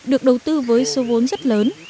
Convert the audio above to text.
được đầu tư với số vốn rất lớn